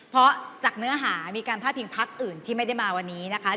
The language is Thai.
เพราะจากเนื้อหามีการพาดพิงพักอื่นที่ไม่ได้มาวันนี้นะคะ